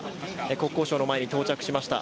国交省の前に到着しました。